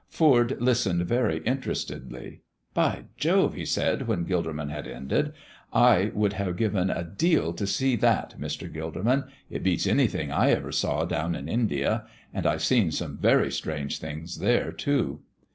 Foord listened very interestedly. "By Jove!" he said, when Gilderman had ended, "I would have given a deal to see that, Mr. Gilderman. It beats anything I ever saw down in India, and I've seen some very strange things there, too."